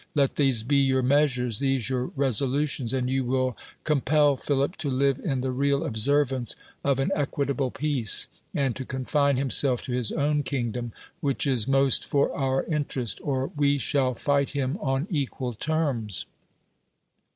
Let these be your measures, th(>se your ri^solutions, and you will comp(!l Philip to live in iht; real observance of an equitabh^ ])('ac(% and to confine himself to his own kingdom (Avhich is most i'or our inter est;, or W(; shall fight him on ('(|u;il trrms.